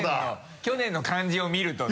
去年の感じを見るとね。